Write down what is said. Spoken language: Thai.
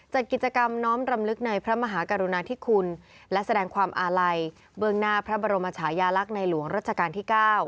จัดกิจกรรมน้อมรำลึกในพระมหากรุณาธิคุณและแสดงความอาลัยเบื้องหน้าพระบรมชายาลักษณ์ในหลวงรัชกาลที่๙